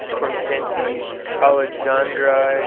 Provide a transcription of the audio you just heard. Contenti Alexandrae